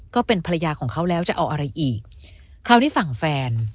ก็เป็นภรรยาของเขาแล้วจะเอาอะไรอีกคราวนี้ฝั่งแฟน